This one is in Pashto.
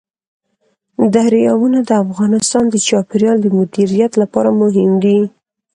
دریابونه د افغانستان د چاپیریال د مدیریت لپاره مهم دي.